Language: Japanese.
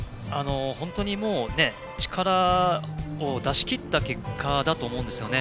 本当に力を出し切った結果だと思うんですよね。